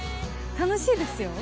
楽しいですよ。